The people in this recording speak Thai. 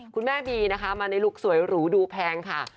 คุณแม่บีมาในลูกสวยหรูดูแพงค่ะ